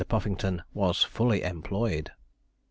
Puffington was fully employed.